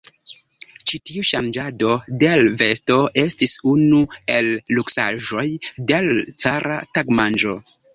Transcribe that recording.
Ĉi tiu ŝanĝado de l' vesto estis unu el luksaĵoj de l' cara tagmanĝo.